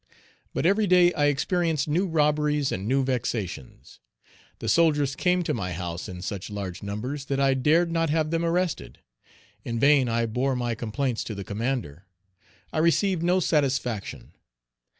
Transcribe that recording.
But every day I experienced new robberies and new vexations. The soldiers came to my house in such large numbers that I dared not have them arrested. In vain I bore my complaints to the commander. I received no satisfaction.